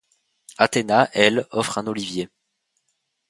Athéna, elle, offre un olivier.